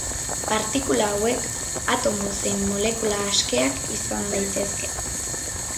Partikula hauek atomo zein molekula askeak izan daitezke.